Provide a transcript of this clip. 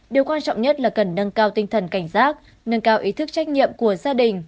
điều quan trọng nhất là cần nâng cao tinh thần cảnh giác nâng cao ý thức trách nhiệm của gia đình